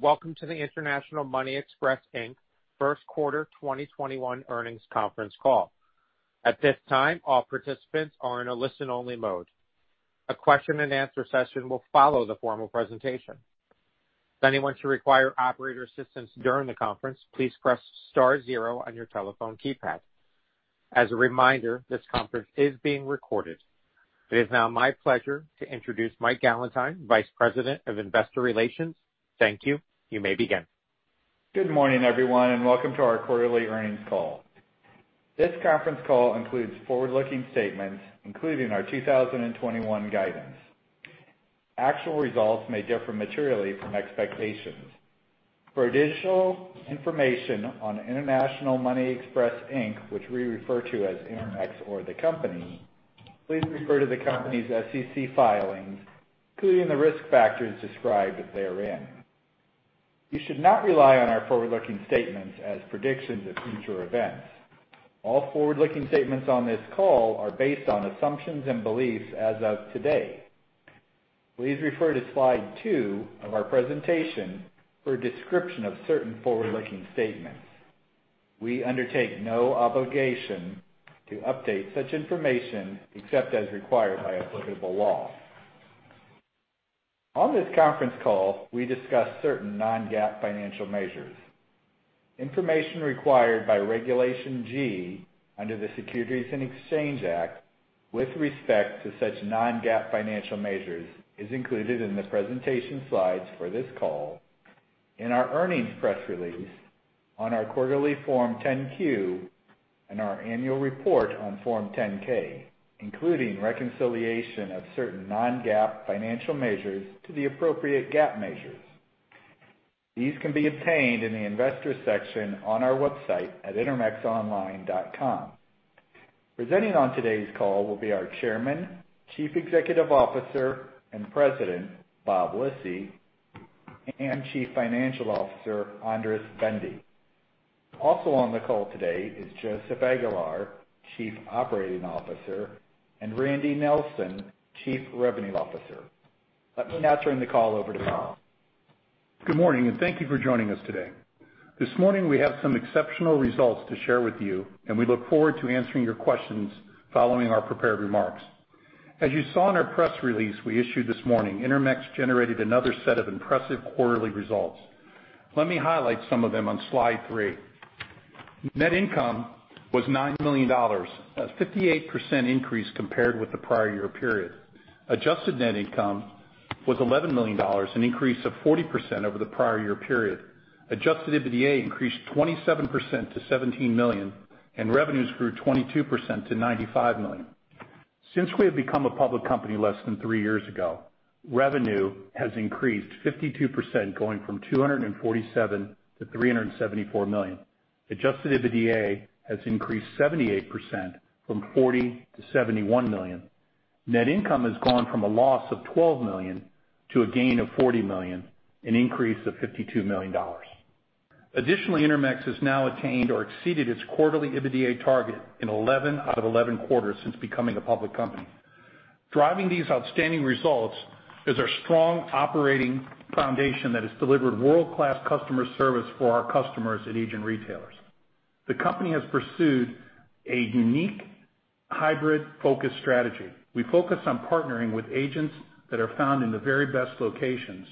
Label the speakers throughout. Speaker 1: Welcome to the International Money Express, Inc first quarter 2021 earnings conference call. At this time all participants are in a listen-only mode. A question and answer session will follow the formal presentation. If anyone should require operator assistance during the conference, please press star zero on your telephone keypad. As a reminder this conference is being recorded. It is now my pleasure to introduce Mike Gallentine, Vice President of Investor Relations. Thank you. You may begin.
Speaker 2: Good morning, everyone, and welcome to our quarterly earnings call. This conference call includes forward-looking statements, including our 2021 guidance. Actual results may differ materially from expectations. For additional information on International Money Express, Inc, which we refer to as Intermex or the company, please refer to the company's SEC filings, including the risk factors described therein. You should not rely on our forward-looking statements as predictions of future events. All forward-looking statements on this call are based on assumptions and beliefs as of today. Please refer to slide two of our presentation for a description of certain forward-looking statements. We undertake no obligation to update such information except as required by applicable law. On this conference call, we discuss certain non-GAAP financial measures. Information required by Regulation G under the Securities and Exchange Act with respect to such non-GAAP financial measures is included in the presentation slides for this call, in our earnings press release, on our quarterly Form 10-Q, and our annual report on Form 10-K, including reconciliation of certain non-GAAP financial measures to the appropriate GAAP measures. These can be obtained in the Investors section on our website at intermexonline.com. Presenting on today's call will be our Chairman, Chief Executive Officer, and President, Bob Lisy, and Chief Financial Officer, Andras Bende. Also on the call today is Joseph Aguilar, Chief Operating Officer, and Randy Nilsen, Chief Revenue Officer. Let me now turn the call over to Bob.
Speaker 3: Good morning. Thank you for joining us today. This morning, we have some exceptional results to share with you, and we look forward to answering your questions following our prepared remarks. As you saw in our press release we issued this morning, Intermex generated another set of impressive quarterly results. Let me highlight some of them on slide three. Net income was $9 million, a 58% increase compared with the prior year period. Adjusted net income was $11 million, an increase of 40% over the prior year period. Adjusted EBITDA increased 27% to $17 million, and revenues grew 22% to $95 million. Since we have become a public company less than three years ago, revenue has increased 52%, going from $247 million-$374 million. Adjusted EBITDA has increased 78%, from $40 million-$71 million. Net income has gone from a loss of $12 million to a gain of $40 million, an increase of $52 million. Additionally, Intermex has now attained or exceeded its quarterly EBITDA target in 11/11 quarters since becoming a public company. Driving these outstanding results is our strong operating foundation that has delivered world-class customer service for our customers and agent retailers. The company has pursued a unique hybrid-focused strategy. We focus on partnering with agents that are found in the very best locations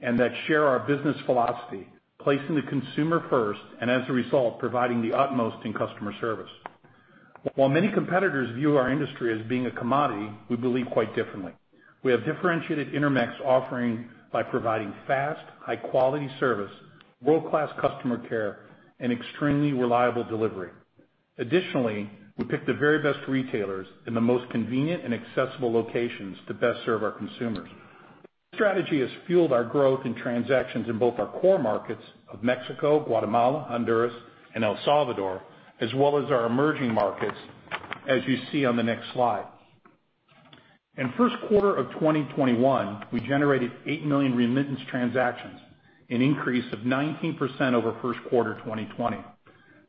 Speaker 3: and that share our business philosophy, placing the consumer first, and as a result, providing the utmost in customer service. While many competitors view our industry as being a commodity, we believe quite differently. We have differentiated Intermex offering by providing fast, high-quality service, world-class customer care, and extremely reliable delivery. We pick the very best retailers in the most convenient and accessible locations to best serve our consumers. This strategy has fueled our growth in transactions in both our core markets of Mexico, Guatemala, Honduras, and El Salvador, as well as our emerging markets, as you see on the next slide. In the first quarter of 2021, we generated eight million remittance transactions, an increase of 19% over the first quarter of 2020.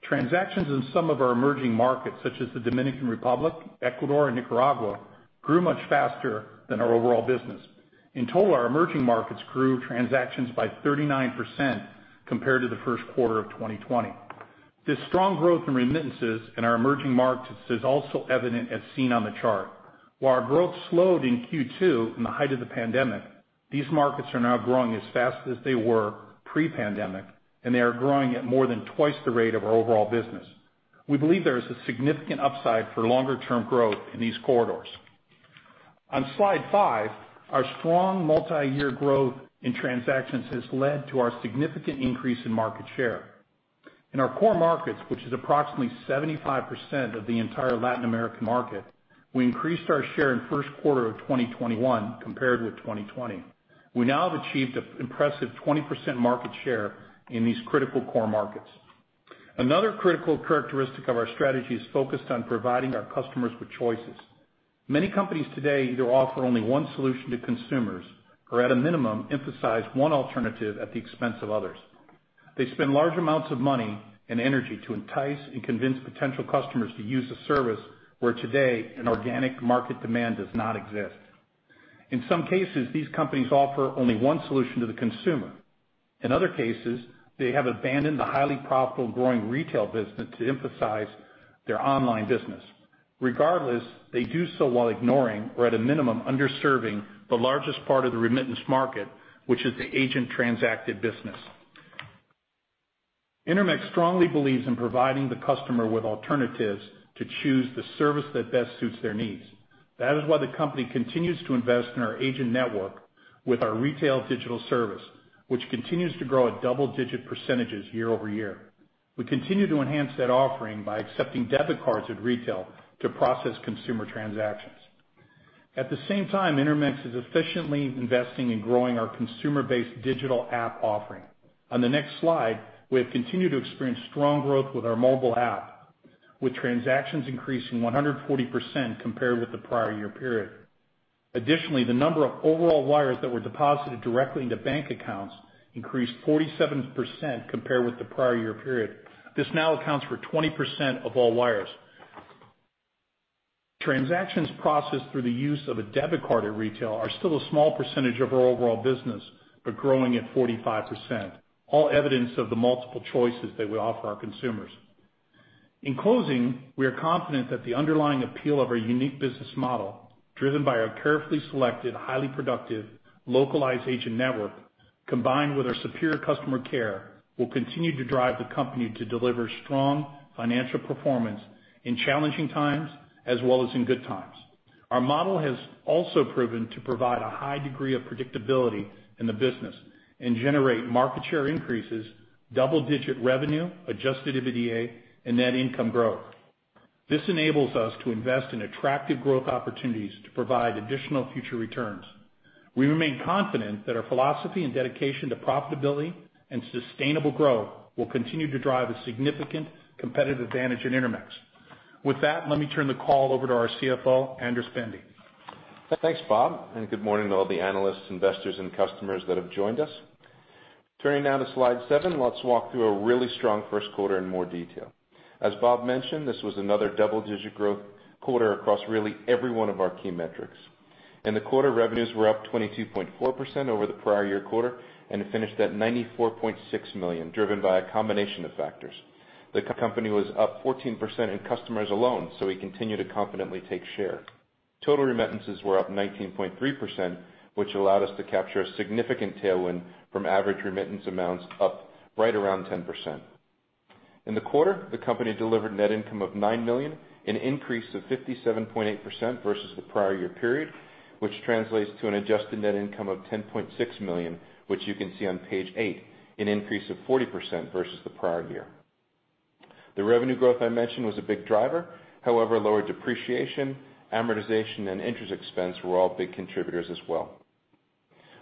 Speaker 3: Transactions in some of our emerging markets, such as the Dominican Republic, Ecuador, and Nicaragua, grew much faster than our overall business. In total, our emerging markets grew transactions by 39% compared to the first quarter of 2020. This strong growth in remittances in our emerging markets is also evident as seen on the chart. While our growth slowed in Q2 in the height of the pandemic, these markets are now growing as fast as they were pre-pandemic, and they are growing at more than twice the rate of our overall business. We believe there is a significant upside for longer-term growth in these corridors. On slide five, our strong multi-year growth in transactions has led to our significant increase in market share. In our core markets, which is approximately 75% of the entire Latin American market, we increased our share in the first quarter of 2021 compared with 2020. We now have achieved an impressive 20% market share in these critical core markets. Another critical characteristic of our strategy is focused on providing our customers with choices. Many companies today either offer only one solution to consumers or, at a minimum, emphasize one alternative at the expense of others. They spend large amounts of money and energy to entice and convince potential customers to use a service where today an organic market demand does not exist. In some cases, these companies offer only one solution to the consumer. In other cases, they have abandoned the highly profitable and growing retail business to emphasize their online business. Regardless, they do so while ignoring or at a minimum, underserving the largest part of the remittance market, which is the agent-transacted business. Intermex strongly believes in providing the customer with alternatives to choose the service that best suits their needs. That is why the company continues to invest in our agent network with our retail digital service, which continues to grow at double-digit percent year-over-year. We continue to enhance that offering by accepting debit cards at retail to process consumer transactions. At the same time, Intermex is efficiently investing in growing our consumer-based digital app offering. On the next slide, we have continued to experience strong growth with our mobile app, with transactions increasing 140% compared with the prior year period. Additionally, the number of overall wires that were deposited directly into bank accounts increased 47% compared with the prior year period. This now accounts for 20% of all wires. Transactions processed through the use of a debit card at retail are still a small percentage of our overall business, but growing at 45%. All evidence of the multiple choices that we offer our consumers. In closing, we are confident that the underlying appeal of our unique business model, driven by our carefully selected, highly productive, localized agent network, combined with our superior customer care, will continue to drive the company to deliver strong financial performance in challenging times as well as in good times. Our model has also proven to provide a high degree of predictability in the business and generate market share increases, double-digit revenue, adjusted EBITDA, and net income growth. This enables us to invest in attractive growth opportunities to provide additional future returns. We remain confident that our philosophy and dedication to profitability and sustainable growth will continue to drive a significant competitive advantage at Intermex. With that, let me turn the call over to our CFO, Andras Bende.
Speaker 4: Thanks, Bob. Good morning to all the analysts, investors, and customers that have joined us. Turning now to slide seven, let's walk through a really strong first quarter in more detail. As Bob mentioned, this was another double-digit growth quarter across really every one of our key metrics. In the quarter, revenues were up 22.4% over the prior year quarter and finished at $94.6 million, driven by a combination of factors. The company was up 14% in customers alone. We continue to confidently take share. Total remittances were up 19.3%, which allowed us to capture a significant tailwind from average remittance amounts up right around 10%. In the quarter, the company delivered net income of $9 million, an increase of 57.8% versus the prior year period, which translates to an adjusted net income of $10.6 million, which you can see on page eight, an increase of 40% versus the prior year. However, lower depreciation, amortization, and interest expense were all big contributors as well.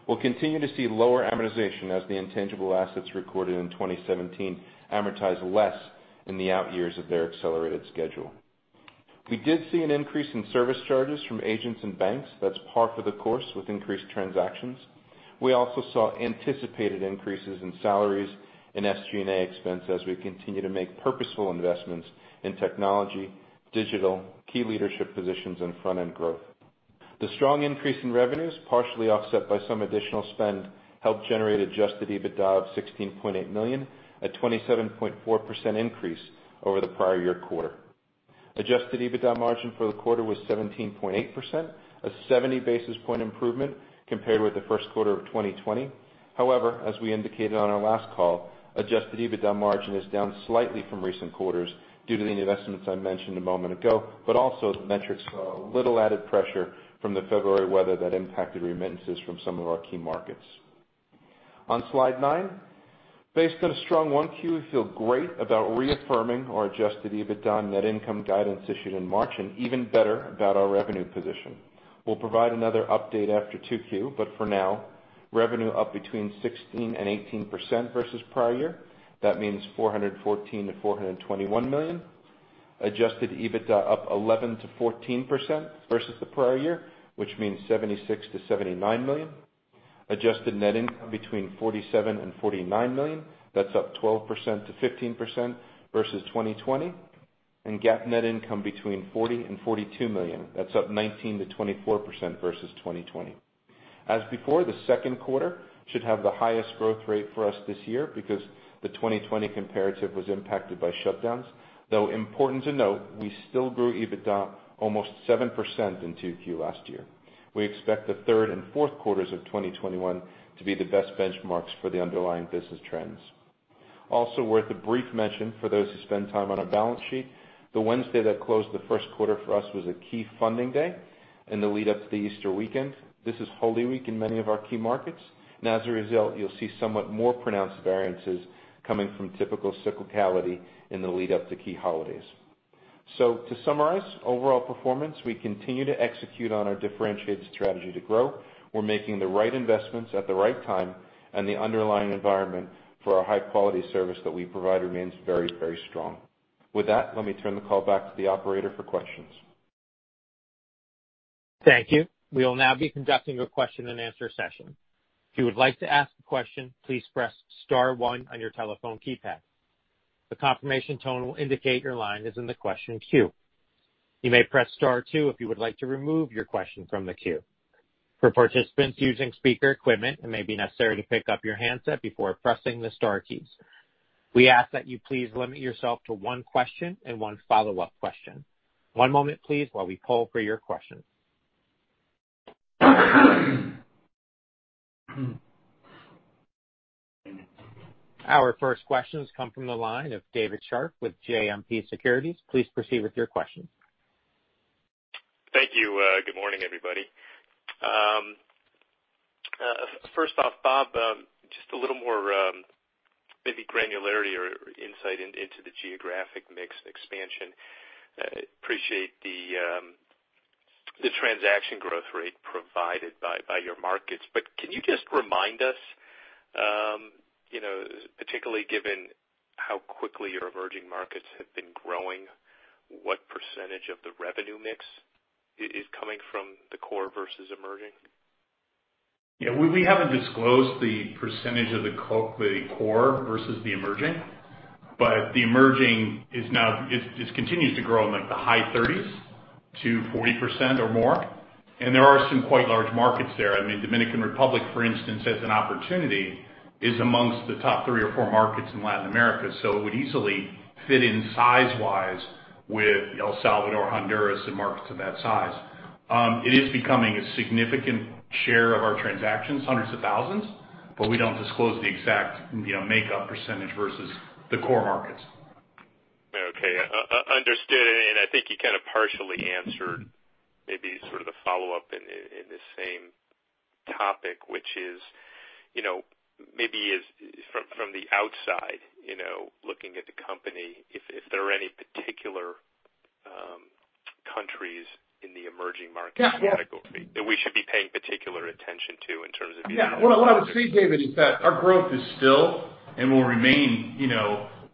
Speaker 4: We'll continue to see lower amortization as the intangible assets recorded in 2017 amortize less in the out years of their accelerated schedule. We did see an increase in service charges from agents and banks. That's par for the course with increased transactions. We also saw anticipated increases in salaries and SG&A expense as we continue to make purposeful investments in technology, digital, key leadership positions, and front-end growth. The strong increase in revenues, partially offset by some additional spend, helped generate adjusted EBITDA of $16.8 million, a 27.4% increase over the prior year quarter. Adjusted EBITDA margin for the quarter was 17.8%, a 70 basis point improvement compared with the first quarter of 2020. As we indicated on our last call, adjusted EBITDA margin is down slightly from recent quarters due to the investments I mentioned a moment ago, but also the metrics saw a little added pressure from the February weather that impacted remittances from some of our key markets. On slide nine. Based on a strong Q1, we feel great about reaffirming our adjusted EBITDA and net income guidance issued in March and even better about our revenue position. We'll provide another update after Q2 but for now, revenue up between 16% and 18% versus prior year. That means $414 million-$421 million. Adjusted EBITDA up 11%-14% versus the prior year, which means $76 million-$79 million. Adjusted net income $47 million-$49 million. That's up 12%-15% versus 2020. GAAP net income $40 million-$42 million. That's up 19%-24% versus 2020. As before, the second quarter should have the highest growth rate for us this year because the 2020 comparative was impacted by shutdowns. Though important to note, we still grew EBITDA almost 7% in Q2 last year. We expect the third and fourth quarters of 2021 to be the best benchmarks for the underlying business trends. Also worth a brief mention for those who spend time on our balance sheet, the Wednesday that closed the first quarter for us was a key funding day in the lead-up to the Easter weekend. This is Holy Week in many of our key markets. As a result, you'll see somewhat more pronounced variances coming from typical cyclicality in the lead-up to key holidays. To summarize overall performance, we continue to execute on our differentiated strategy to grow. We're making the right investments at the right time, and the underlying environment for our high-quality service that we provide remains very strong. With that, let me turn the call back to the operator for questions.
Speaker 1: Thank you. We will now be conducting a question and answer session. If you would like to ask a question, please press star one on your telephone keypad. The confirmation tone will indicate your line is in the question queue. You may press star two if you would like to remove your question from the queue. For participants using speaker equipment, it may be necessary to pick up your handset before pressing the star keys. We ask that you please limit yourself to one question and one follow-up question. One moment, please, while we poll for your questions. Our first questions come from the line of David Scharf with JMP Securities. Please proceed with your question.
Speaker 5: Thank you. Good morning, everybody. First off, Bob, just a little more maybe granularity or insight into the geographic mix and expansion. Appreciate the transaction growth rate provided by your markets. Can you just remind us, particularly given how quickly your emerging markets have been growing, what percentage of the revenue mix is coming from the core versus emerging?
Speaker 3: Yeah. We haven't disclosed the percentage of the core versus the emerging, but the emerging continues to grow in the high 30s to 40% or more, and there are some quite large markets there. Dominican Republic, for instance, as an opportunity, is amongst the top three or four markets in Latin America. It would easily fit in size-wise with El Salvador, Honduras, and markets of that size. It is becoming a significant share of our transactions, hundreds of thousands, but we don't disclose the exact makeup percentage versus the core markets.
Speaker 5: Okay. Understood. I think you kind of partially answered maybe sort of the follow-up in the same topic, which is maybe from the outside looking at the company if there are any particular countries in the emerging markets category that we should be paying particular attention to in terms of.
Speaker 3: Yeah. What I would say, David, is that our growth is still and will remain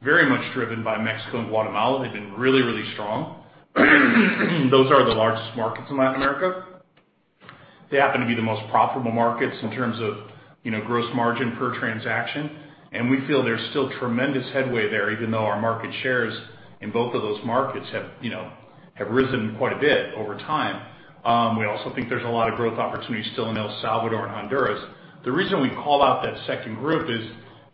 Speaker 3: very much driven by Mexico and Guatemala. They've been really, really strong. Those are the largest markets in Latin America. They happen to be the most profitable markets in terms of gross margin per transaction, and we feel there's still tremendous headway there, even though our market shares in both of those markets have risen quite a bit over time. We also think there's a lot of growth opportunities still in El Salvador and Honduras. The reason we call out that second group is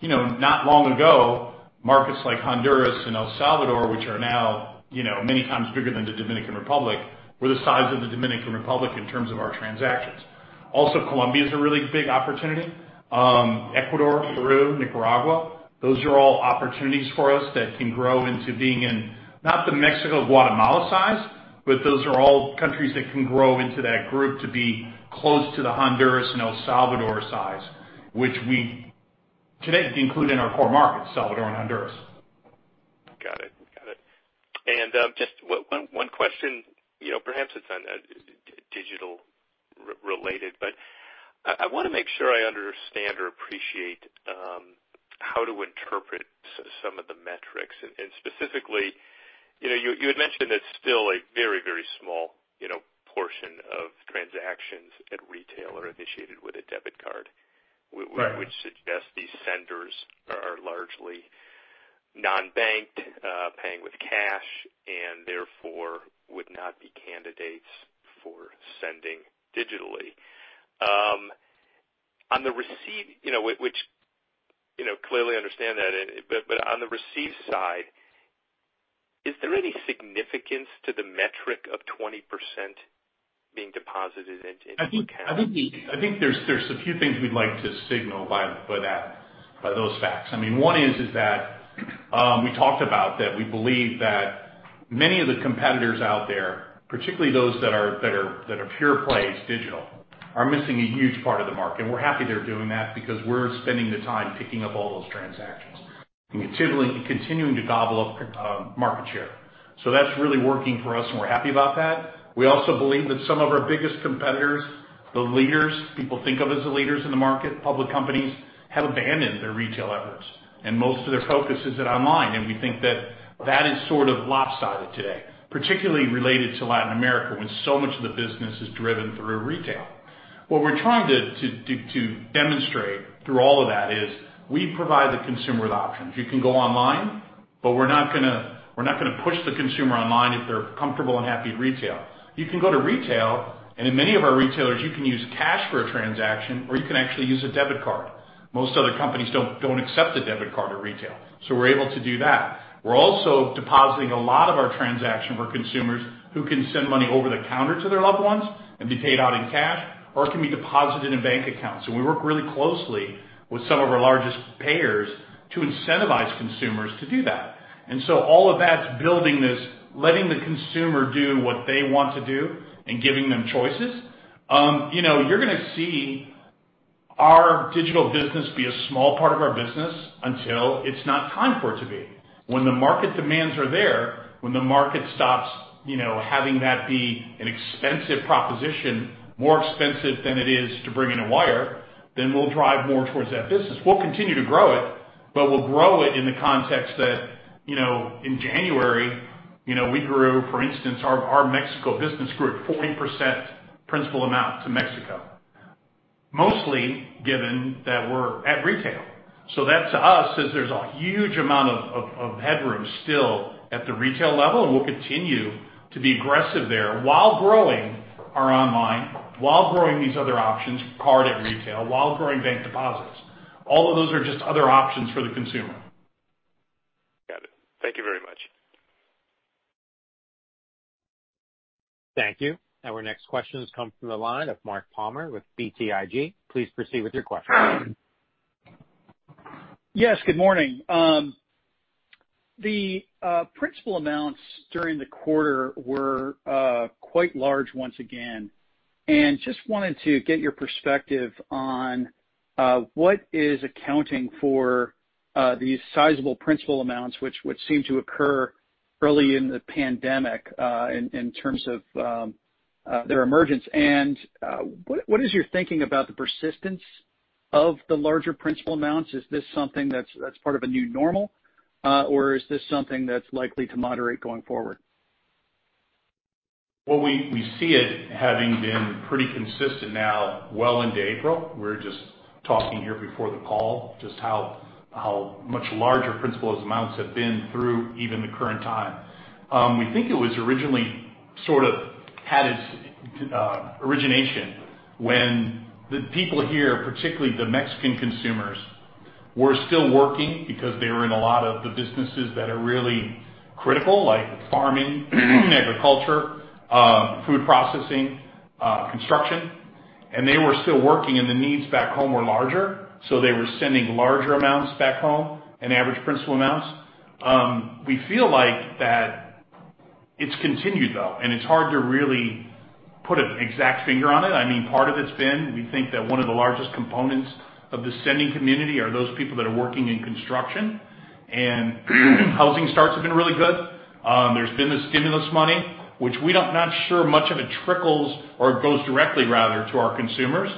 Speaker 3: not long ago, markets like Honduras and El Salvador, which are now many times bigger than the Dominican Republic, were the size of the Dominican Republic in terms of our transactions. Also, Colombia is a really big opportunity. Ecuador, Peru, Nicaragua, those are all opportunities for us that can grow into being in not the Mexico, Guatemala size, but those are all countries that can grow into that group to be close to the Honduras and El Salvador size, which we today include in our core markets, Salvador and Honduras.
Speaker 5: Got it. Just one question. Perhaps it's digital related, but I want to make sure I understand or appreciate how to interpret some of the metrics and specifically, you had mentioned it's still a very small portion of transactions at retail are initiated with a debit card.
Speaker 3: Right.
Speaker 5: Which suggests these senders are largely non-banked, paying with cash, and therefore would not be candidates for sending digitally. Which clearly understand that, but on the receive side, is there any significance to the metric of 20% being deposited into account?
Speaker 3: I think there's a few things we'd like to signal by those facts. One is that we talked about that we believe that many of the competitors out there, particularly those that are pure plays digital, are missing a huge part of the market. We're happy they're doing that because we're spending the time picking up all those transactions and continuing to gobble up market share. That's really working for us, and we're happy about that. We also believe that some of our biggest competitors, the leaders, people think of as the leaders in the market, public companies, have abandoned their retail efforts and most of their focus is at online. We think that that is sort of lopsided today, particularly related to Latin America, when so much of the business is driven through retail. What we're trying to demonstrate through all of that is we provide the consumer with options. You can go online, but we're not going to push the consumer online if they're comfortable and happy at retail. You can go to retail, and in many of our retailers, you can use cash for a transaction or you can actually use a debit card. Most other companies don't accept a debit card at retail. We're able to do that. We're also depositing a lot of our transaction for consumers who can send money over the counter to their loved ones and be paid out in cash or it can be deposited in bank accounts. We work really closely with some of our largest payers to incentivize consumers to do that. All of that's building this, letting the consumer do what they want to do and giving them choices. You're going to see our digital business be a small part of our business until it's not time for it to be. When the market demands are there, when the market stops having that be an expensive proposition, more expensive than it is to bring in a wire, then we'll drive more towards that business. We'll continue to grow it. We'll grow it in the context that, in January, we grew, for instance, our Mexico business grew at 40% principal amount to Mexico. Mostly given that we're at retail. That to us says there's a huge amount of headroom still at the retail level, and we'll continue to be aggressive there while growing our online, while growing these other options, card at retail, while growing bank deposits. All of those are just other options for the consumer.
Speaker 5: Got it. Thank you very much.
Speaker 1: Thank you. Our next question comes from the line of Mark Palmer with BTIG. Please proceed with your question.
Speaker 6: Yes, good morning. The principal amounts during the quarter were quite large once again. Just wanted to get your perspective on what is accounting for these sizable principal amounts, which would seem to occur early in the pandemic, in terms of their emergence. What is your thinking about the persistence of the larger principal amounts? Is this something that's part of a new normal? Is this something that's likely to moderate going forward?
Speaker 3: Well, we see it having been pretty consistent now well into April. We were just talking here before the call, just how much larger principal amounts have been through even the current time. We think it was originally sort of had its origination when the people here, particularly the Mexican consumers, were still working because they were in a lot of the businesses that are really critical, like farming, agriculture, food processing, construction. They were still working, and the needs back home were larger. They were sending larger amounts back home and average principal amounts. We feel like that it's continued though, and it's hard to really put an exact finger on it. Part of it's been, we think that one of the largest components of the sending community are those people that are working in construction. Housing starts have been really good. There's been the stimulus money, which we're not sure much of it trickles or goes directly rather to our consumers.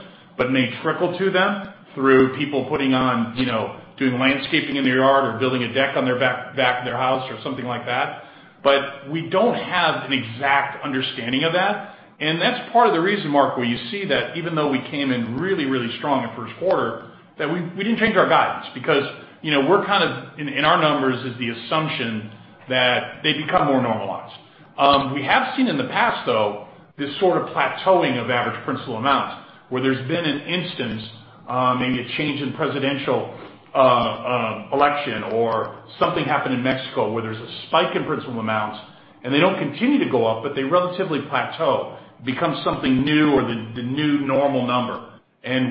Speaker 3: May trickle to them through people putting on, doing landscaping in their yard or building a deck on their back of their house or something like that. We don't have an exact understanding of that. That's part of the reason, Mark, where you see that even though we came in really strong in first quarter, that we didn't change our guidance because we're kind of in our numbers is the assumption that they become more normalized. We have seen in the past though, this sort of plateauing of average principal amounts where there's been an instance, maybe a change in presidential election or something happened in Mexico where there's a spike in principal amounts and they don't continue to go up, but they relatively plateau. Become something new or the new normal number.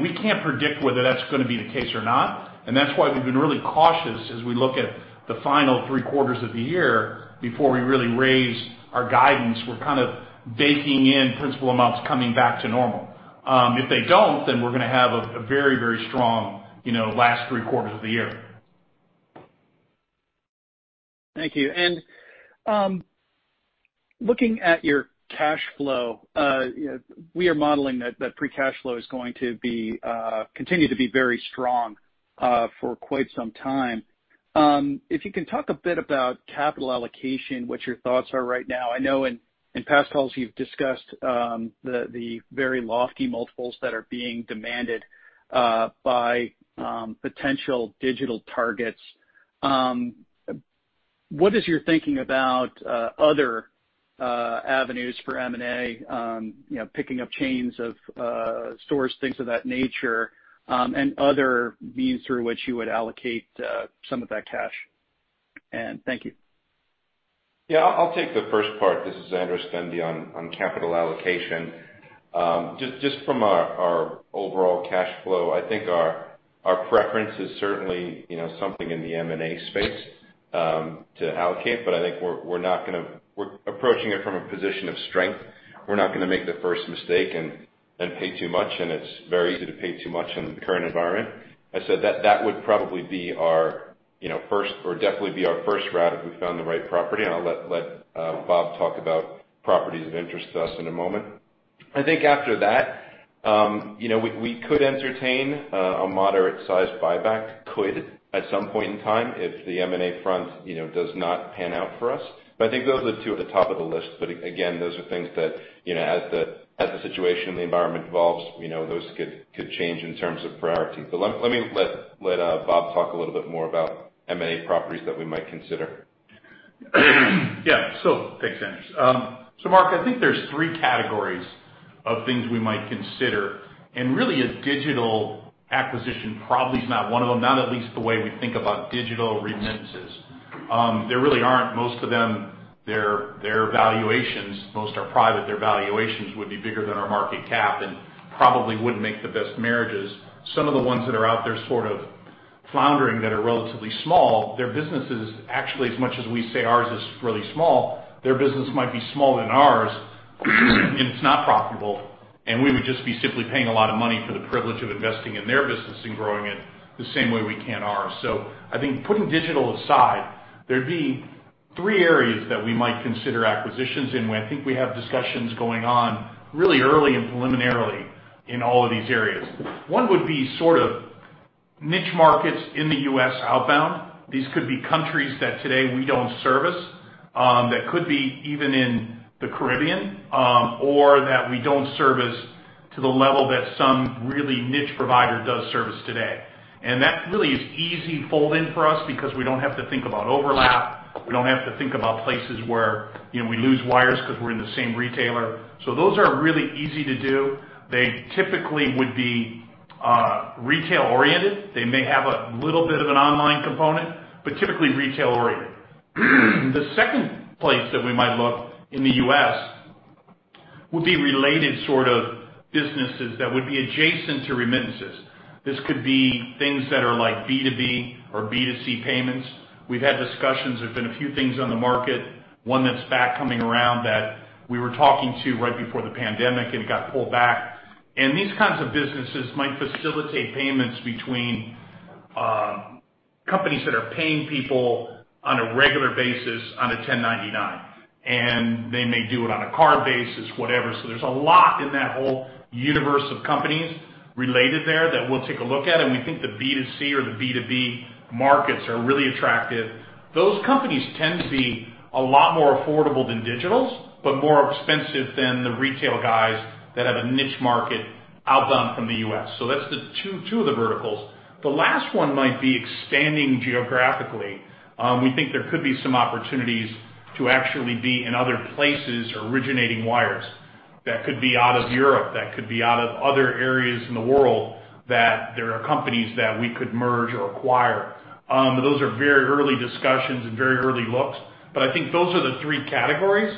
Speaker 3: We can't predict whether that's going to be the case or not. That's why we've been really cautious as we look at the final three quarters of the year before we really raise our guidance. We're kind of baking in principal amounts coming back to normal. If they don't then we're going to have a very strong last three quarters of the year.
Speaker 6: Thank you. Looking at your cash flow, we are modeling that free cash flow is going to continue to be very strong for quite some time. If you can talk a bit about capital allocation, what your thoughts are right now. I know in past calls you've discussed the very lofty multiples that are being demanded by potential digital targets. What is your thinking about other avenues for M&A? Picking up chains of stores, things of that nature, and other means through which you would allocate some of that cash. Thank you.
Speaker 4: Yeah. I'll take the first part. This is Andras Bende on capital allocation. Just from our overall cash flow, I think our preference is certainly something in the M&A space to allocate. I think we're approaching it from a position of strength. We're not going to make the first mistake and pay too much, and it's very easy to pay too much in the current environment. I'd say that would probably be our first, or definitely be our first route if we found the right property. I'll let Bob talk about properties of interest to us in a moment. I think after that we could entertain a moderate size buyback could at some point in time if the M&A front does not pan out for us. I think those are the two at the top of the list. again, those are things that as the situation in the environment evolves, those could change in terms of priority. let Bob talk a little bit more about M&A properties that we might consider.
Speaker 3: Yeah. Thanks, Andras. Mark, I think there's three categories of things we might consider. Really a digital acquisition probably is not one of them, not at least the way we think about digital remittances. There really aren't most of them, their valuations, most are private, their valuations would be bigger than our market cap and probably wouldn't make the best marriages. Some of the ones that are out there sort of floundering that are relatively small, their businesses actually as much as we say ours is really small, their business might be smaller than ours and it's not profitable, and we would just be simply paying a lot of money for the privilege of investing in their business and growing it the same way we can ours. I think putting digital aside, there'd be three areas that we might consider acquisitions in, where I think we have discussions going on really early and preliminarily in all of these areas. One would be niche markets in the U.S. outbound. These could be countries that today we don't service, that could be even in the Caribbean, or that we don't service to the level that some really niche provider does service today. That really is easy fold-in for us because we don't have to think about overlap. We don't have to think about places where we lose wires because we're in the same retailer. Those are really easy to do. They typically would be retail-oriented. They may have a little bit of an online component, but typically retail-oriented. The second place that we might look in the U.S. would be related sort of businesses that would be adjacent to remittances. This could be things that are like B2B or B2C payments. We've had discussions, there've been a few things on the market. One that's back coming around that we were talking to right before the pandemic, and it got pulled back. These kinds of businesses might facilitate payments between companies that are paying people on a regular basis on a 1099. They may do it on a card basis, whatever. There's a lot in that whole universe of companies related there that we'll take a look at, and we think the B2C or the B2B markets are really attractive. Those companies tend to be a lot more affordable than digitals, but more expensive than the retail guys that have a niche market outbound from the U.S. That's two of the verticals. The last one might be expanding geographically. We think there could be some opportunities to actually be in other places originating wires that could be out of Europe, that could be out of other areas in the world, that there are companies that we could merge or acquire. Those are very early discussions and very early looks, but I think those are the three categories.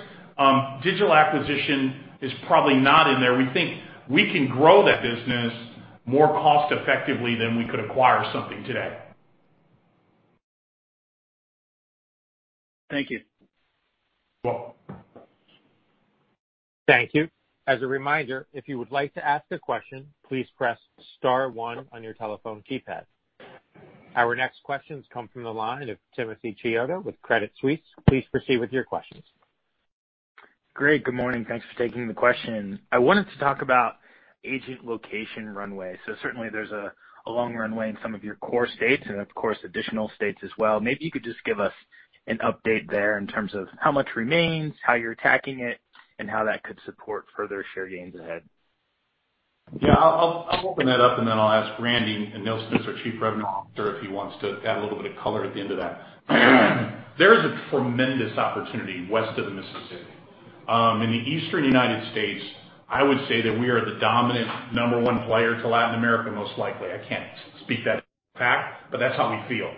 Speaker 3: Digital acquisition is probably not in there. We think we can grow that business more cost-effectively than we could acquire something today.
Speaker 6: Thank you.
Speaker 3: You're welcome.
Speaker 1: Thank you. As a reminder, if you would like to ask a question, please press star one on your telephone keypad. Our next questions come from the line of Timothy Chiodo with Credit Suisse. Please proceed with your questions.
Speaker 7: Great. Good morning. Thanks for taking the question. I wanted to talk about agent location runway. Certainly there's a long runway in some of your core states and of course, additional states as well. Maybe you could just give us an update there in terms of how much remains, how you're attacking it, and how that could support further share gains ahead.
Speaker 3: Yeah. I'll open that up, and then I'll ask Randy Nilsen, our Chief Revenue Officer, if he wants to add a little bit of color at the end of that. There is a tremendous opportunity west of the Mississippi. In the Eastern United States, I would say that we are the dominant number one player to Latin America, most likely. I can't speak that as fact, but that's how we feel.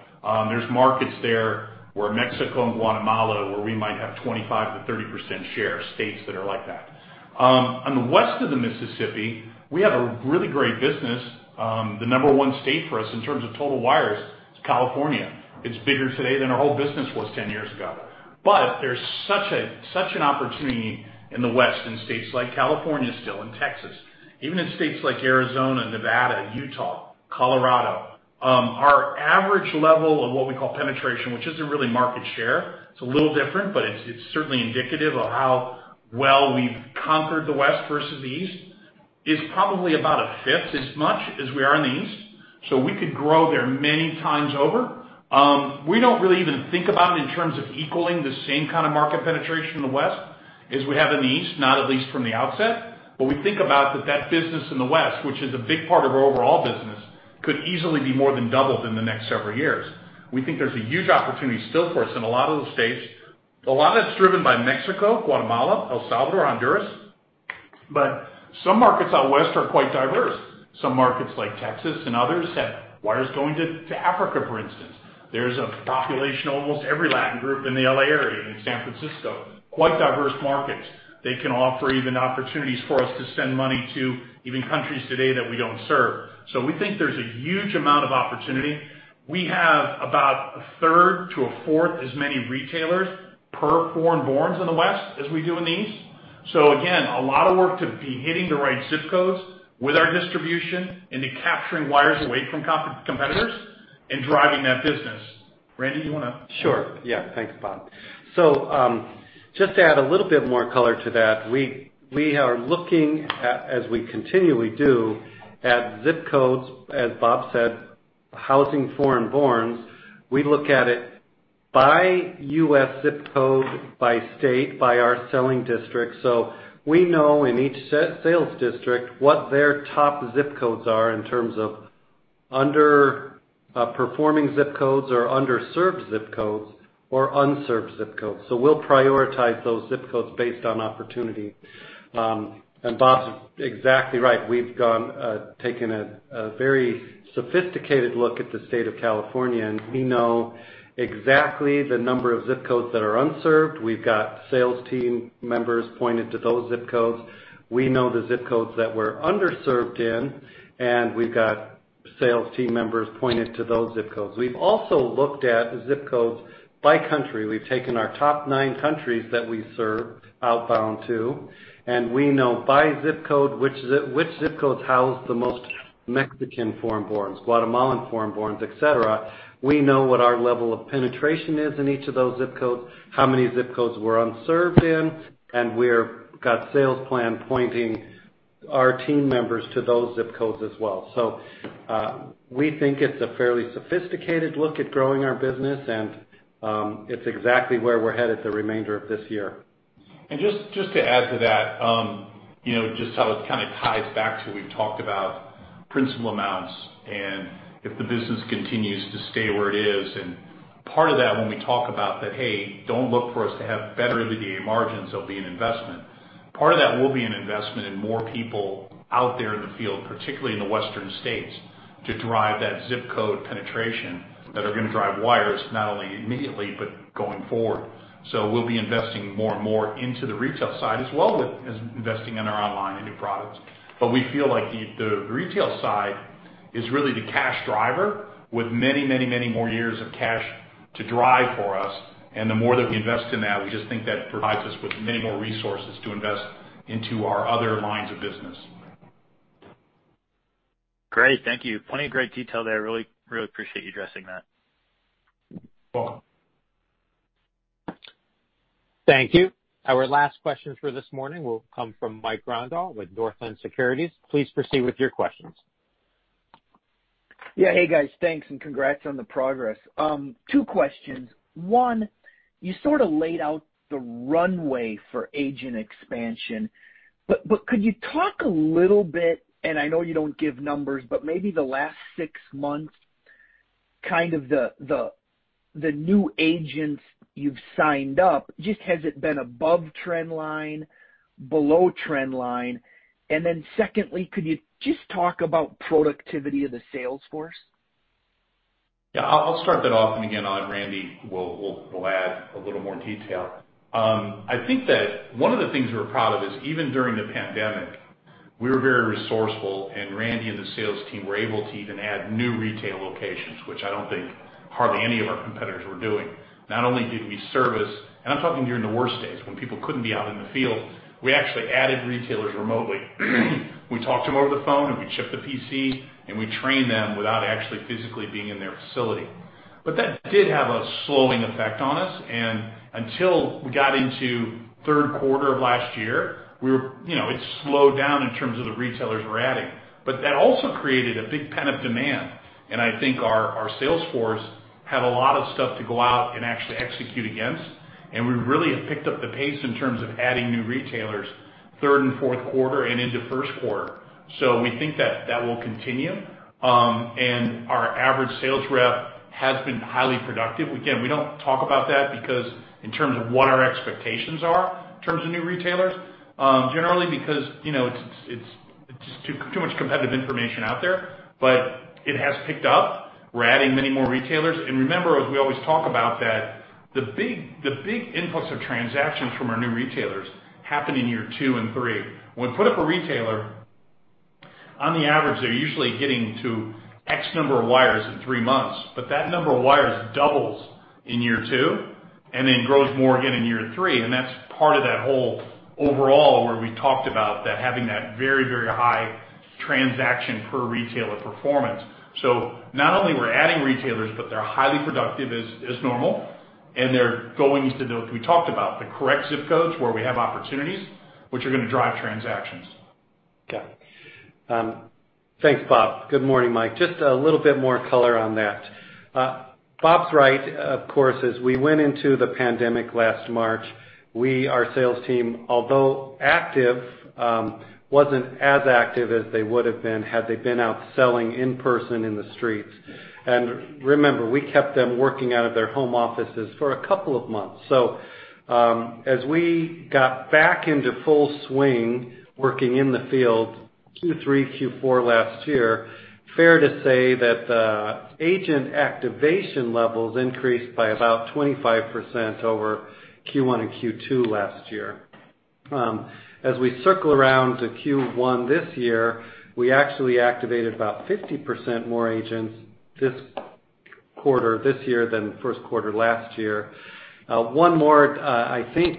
Speaker 3: There's markets there where Mexico and Guatemala, where we might have 25%-30% share, states that are like that. On the west of the Mississippi, we have a really great business. The number one state for us in terms of total wires is California. It's bigger today than our whole business was 10 years ago. There's such an opportunity in the West in states like California still, and Texas. Even in states like Arizona, Nevada, Utah, Colorado. Our average level of what we call penetration, which isn't really market share, it's a little different, but it's certainly indicative of how well we've conquered the West versus the East, is probably about a fifth as much as we are in the East. We could grow there many times over. We don't really even think about it in terms of equaling the same kind of market penetration in the West as we have in the East, not at least from the outset. We think about that business in the West, which is a big part of our overall business, could easily be more than doubled in the next several years. We think there's a huge opportunity still for us in a lot of the states. A lot of that's driven by Mexico, Guatemala, El Salvador, Honduras, but some markets out West are quite diverse. Some markets like Texas and others have wires going to Africa, for instance. There's a population, almost every Latin group in the L.A. area, in San Francisco, quite diverse markets. They can offer even opportunities for us to send money to even countries today that we don't serve. We think there's a huge amount of opportunity. We have about a third to a fourth as many retailers per foreign-borns in the West as we do in the East. Again, a lot of work to be hitting the right zip codes with our distribution into capturing wires away from competitors and driving that business. Randy, you want to?
Speaker 8: Sure. Yeah. Thanks, Bob. Just to add a little bit more color to that. We are looking at, as we continually do, at zip codes, as Bob said, housing foreign-borns. We look at it by U.S. zip code, by state, by our selling district. We know in each sales district what their top zip codes are in terms of underperforming zip codes or underserved zip codes or unserved zip codes. We'll prioritize those zip codes based on opportunity. Bob's exactly right. We've taken a very sophisticated look at the state of California, and we know exactly the number of zip codes that are unserved. We've got sales team members pointed to those zip codes. We know the zip codes that we're underserved in, and we've got sales team members pointed to those zip codes. We've also looked at the zip codes by country. We've taken our top nine countries that we serve outbound to, and we know by zip code which zip codes house the most Mexican foreign borns, Guatemalan foreign borns, et cetera. We know what our level of penetration is in each of those ZIP codes, how many ZIP codes we're unserved in, and we've got sales plan pointing our team members to those ZIP codes as well. We think it's a fairly sophisticated look at growing our business, and it's exactly where we're headed the remainder of this year.
Speaker 3: Just to add to that, just how it kind of ties back to we've talked about principal amounts and if the business continues to stay where it is. Part of that when we talk about that, "Hey, don't look for us to have better EBITDA margins, there'll be an investment." Part of that will be an investment in more people out there in the field, particularly in the western states, to drive that ZIP code penetration that are going to drive wires, not only immediately, but going forward. We'll be investing more and more into the retail side as well as investing in our online and new products. We feel like the retail side is really the cash driver with many more years of cash to drive for us. The more that we invest in that, we just think that provides us with many more resources to invest into our other lines of business.
Speaker 7: Great. Thank you. Plenty of great detail there. Really appreciate you addressing that.
Speaker 3: You're welcome.
Speaker 1: Thank you. Our last question for this morning will come from Mike Grondahl with Northland Securities. Please proceed with your questions.
Speaker 9: Yeah. Hey, guys. Thanks and congrats on the progress. Two questions. One, you sort of laid out the runway for agent expansion, but could you talk a little bit, and I know you don't give numbers, but maybe the last six months, kind of the new agents you've signed up. Just has it been above trend line, below trend line? Secondly, could you just talk about productivity of the sales force?
Speaker 3: Yeah. I'll start that off, and again, Randy will add a little more detail. I think that one of the things we're proud of is even during the pandemic, we were very resourceful, and Randy and the sales team were able to even add new retail locations, which I don't think hardly any of our competitors were doing. Not only did we service, and I'm talking during the worst days when people couldn't be out in the field, we actually added retailers remotely. We talked to them over the phone and we shipped a PC, and we trained them without actually physically being in their facility. That did have a slowing effect on us, and until we got into third quarter of last year, it slowed down in terms of the retailers we're adding. That also created a big pent-up demand, and I think our sales force have a lot of stuff to go out and actually execute against, and we really have picked up the pace in terms of adding new retailers third and fourth quarter and into first quarter. We think that that will continue. Our average sales rep has been highly productive. Again, we don't talk about that because in terms of what our expectations are in terms of new retailers, generally because it's just too much competitive information out there. It has picked up. We're adding many more retailers. Remember, as we always talk about, that the big influx of transactions from our new retailers happen in year two and three. When we put up a retailer, on the average, they're usually getting to X number of wires in three months, but that number of wires doubles in year two and then grows more again in year three, and that's part of that whole overall where we talked about that having that very high transaction per retailer performance. Not only we're adding retailers, but they're highly productive as normal, and they're going into the, we talked about, the correct ZIP codes where we have opportunities, which are going to drive transactions.
Speaker 8: Got it. Thanks, Bob. Good morning, Mike. Just a little bit more color on that. Bob's right. Of course, as we went into the pandemic last March, our sales team, although active, wasn't as active as they would've been had they been out selling in person in the streets. Remember, we kept them working out of their home offices for a couple of months. As we got back into full swing working in the field, Q3, Q4 last year, fair to say that the agent activation levels increased by about 25% over Q1 and Q2 last year. As we circle around to Q1 this year, we actually activated about 50% more agents this quarter this year than first quarter last year. One more, I think,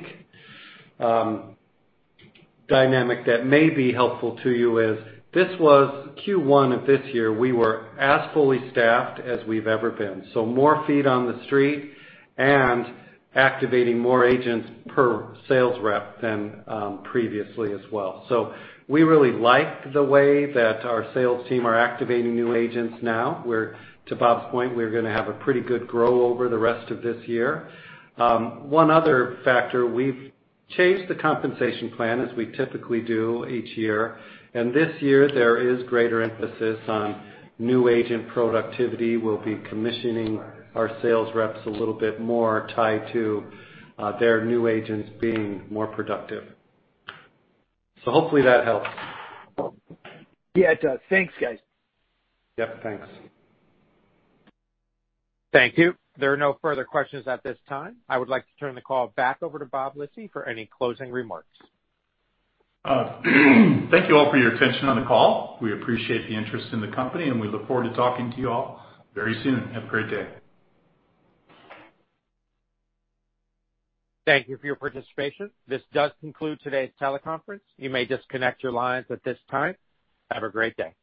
Speaker 8: dynamic that may be helpful to you is this was Q1 of this year, we were as fully staffed as we've ever been. more feet on the street and activating more agents per sales rep than previously as well. we really like the way that our sales team are activating new agents now, where to Bob's point, we're going to have a pretty good growth over the rest of this year. One other factor, we've changed the compensation plan as we typically do each year, and this year there is greater emphasis on new agent productivity. We'll be commissioning our sales reps a little bit more tied to their new agents being more productive. hopefully that helps.
Speaker 9: Yeah, it does. Thanks, guys.
Speaker 8: Yeah, thanks.
Speaker 1: Thank you. There are no further questions at this time. I would like to turn the call back over to Bob Lisy for any closing remarks.
Speaker 3: Thank you all for your attention on the call. We appreciate the interest in the company, and we look forward to talking to you all very soon. Have a great day.
Speaker 1: Thank you for your participation. This does conclude today's teleconference. You may disconnect your lines at this time. Have a great day.